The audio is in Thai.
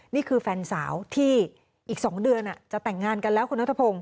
นี่คือแฟนสาวที่อีก๒เดือนจะแต่งงานกันแล้วคุณนัทพงศ